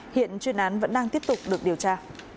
hiện chuyên án vẫn đang tiếp tục được điều tra